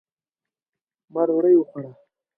ما ډوډۍ وخوړه